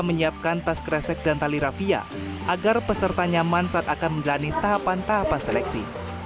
menyiapkan tas kresek dan tali rafia agar peserta nyaman saat akan menjalani tahapan tahapan seleksi